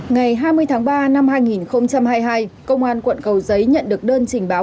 ngày hai mươi tháng ba năm hai nghìn hai mươi hai công an quận cầu giấy nhận được đơn trình báo về một đối tượng